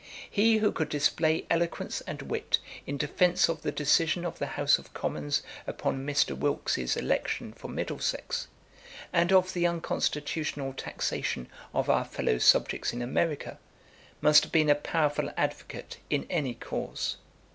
He who could display eloquence and wit in defence of the decision of the House of Commons upon Mr. Wilkes's election for Middlesex, and of the unconstitutional taxation of our fellow subjects in America, must have been a powerful advocate in any cause.